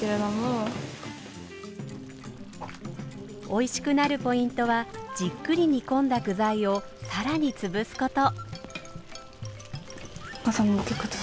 おいしくなるポイントはじっくり煮込んだ具材を更につぶすこと。